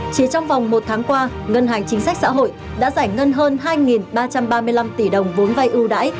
chỉ trong vòng một tháng qua ngân hàng chính sách xã hội đã giải ngân hơn hai ba trăm ba mươi năm tỷ đồng vốn vay ưu đãi